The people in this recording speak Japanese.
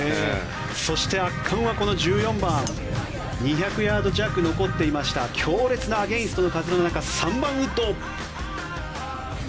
そして圧巻はこの１４番２００ヤード弱残っていました強烈なアゲンストの風の中３番ウッド。